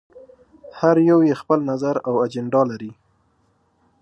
هر يو یې خپل نظر او اجنډا لري.